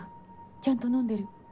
ちゃんと飲んでる？